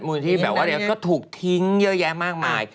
มันแบบนี้ถูกทิ้งเยอะแยะมากมาย